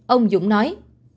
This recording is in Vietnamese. ông dũng nói